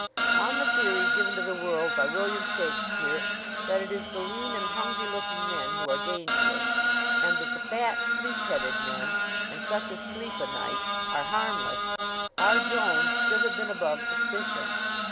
On the theory, given to the world by William Shakespeare, that it is the lean and hungry looking men who are dangerous, and that the "fat, sleek headed men, and such as sleep o' nights," are harmless, R. Jones should have been above suspicion.